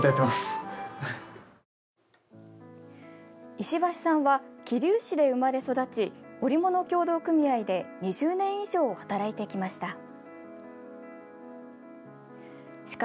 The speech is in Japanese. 石橋さんは桐生市で生まれ育ち織物協同組合で２０年以上、働いてきました。